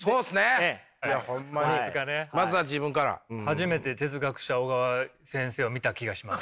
初めて哲学者小川先生を見た気がします。